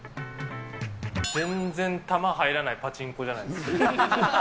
全然玉入らないパチンコじゃないですか。